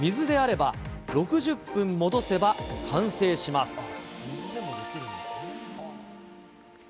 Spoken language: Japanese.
水であれば６０分戻せば完成します。